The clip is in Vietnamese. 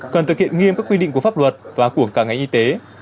cần thực hiện nghiêm các quy định của pháp luật và của cả ngành y tế